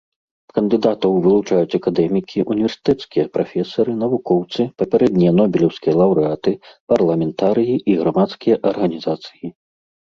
Кандыдатаў вылучаюць акадэмікі, універсітэцкія прафесары, навукоўцы, папярэднія нобелеўскія лаўрэаты, парламентарыі і грамадскія арганізацыі.